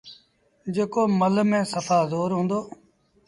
جيڪو مله ميݩ سڦآ زور هُݩدو۔